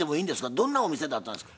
どんなお店だったんですか？